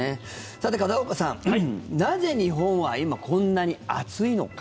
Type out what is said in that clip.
さて、片岡さん、なぜ日本は今、こんなに暑いのか。